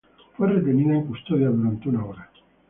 Fue retenida en custodia durante una hora.